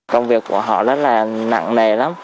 công việc của họ rất là nặng nề lắm